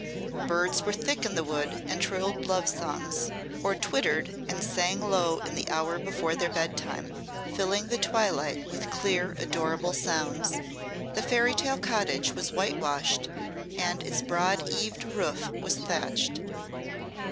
Birds were thick in the wood and trilled love songs, or twittered and sang low in the hour before their bedtime, filling the twilight with clear adorable sounds. The fairy tale cottage was whitewashed and its broad eaved roof was thatched.